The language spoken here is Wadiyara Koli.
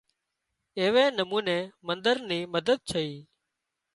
ايوي نموني منۮر ني مدد ڇئي